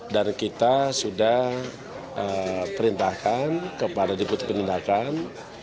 dan kita sudah perintahkan kepada diputuk pendidikan